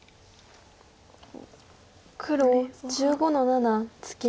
黒１５の七ツケ。